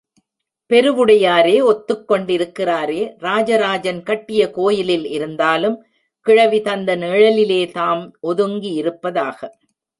பெருவுடையாரே ஒத்துக் கொண்டிருக்கிறாரே, ராஜராஜன் கட்டிய கோயிலில் இருந்தாலும் கிழவி தந்த நிழலிலே தாம் ஒதுங்கியிருப்பதாக.